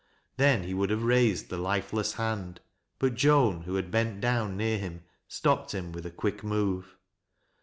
Then he would have raised the lifeless hand, but Joan, who had bent down near him, stopped him with a quick move.